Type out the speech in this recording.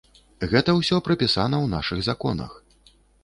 Гэта ўсё прапісана ў нашых законах.